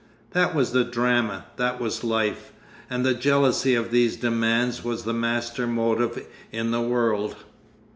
That was the drama, that was life. And the jealousy of these demands was the master motive in the world.